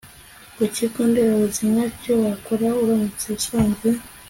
ku kigo nderabuzima. icyo wakora uramutse usanze